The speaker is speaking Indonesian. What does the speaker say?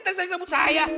tadi tadi kenapa saya